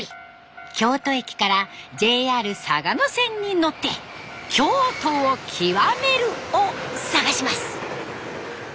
京都駅からＪＲ嵯峨野線に乗って京都をキワメルを探します。